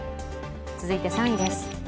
続いて３位です。